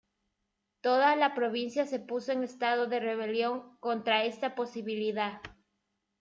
Toda la provincia se puso en estado de rebelión contra esta posibilidad.